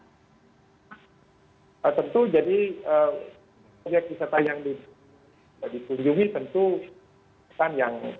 tentu jadi objek wisata yang dipunyui tentu akan yang